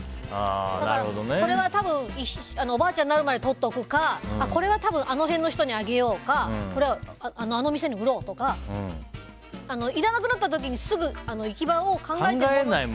だから、これは多分おばあちゃんになるまでとっておくかこれはあの辺の人にあげようとかこれはあの店に売ろうとかいらなくなった時にすぐ行き場を考えることしか。